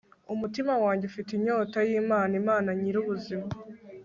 umutima wanjye ufite inyota y'imana, imana nyir'ubuzima